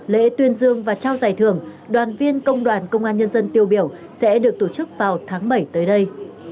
lễ tuyên dương và trao giải thưởng đoàn viên công đoàn công an nhân dân tiêu biểu sẽ được tổ chức vào tháng bảy tới đây